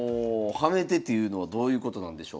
ハメ手というのはどういうことなんでしょう？